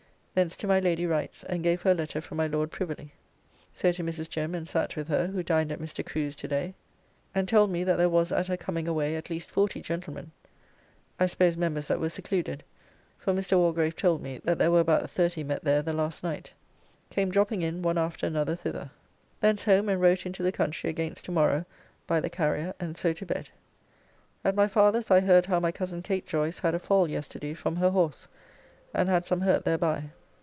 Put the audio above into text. Thence to my Lady Wright's and gave her a letter from my Lord privily. So to Mrs. Jem and sat with her, who dined at Mr. Crew's to day, and told me that there was at her coming away at least forty gentlemen (I suppose members that were secluded, for Mr. Walgrave told me that there were about thirty met there the last night) came dropping in one after another thither. Thence home and wrote into the country against to morrow by the carrier and so to bed. At my father's I heard how my cousin Kate Joyce had a fall yesterday from her horse and had some hurt thereby.